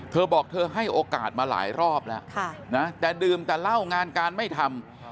เธอบอกเธอให้โอกาสมาหลายรอบแล้วนะแต่ดื่มแต่เหล้างานการไม่ทำ